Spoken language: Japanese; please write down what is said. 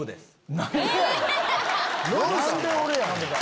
何で俺や？